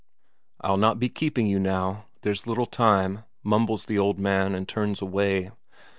"I'll not be keeping you now there's little time," mumbles the old man, and turns away.